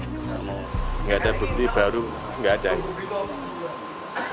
tidak ada bukti baru nggak ada